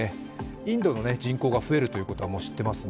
インドの人口が増えるということはもう知っていますね。